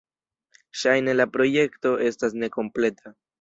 Ŝajne la projekto estas nekompleta.